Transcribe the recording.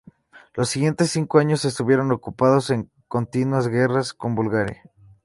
Los siguientes cinco años estuvieron ocupados en continuas guerras con Bulgaria.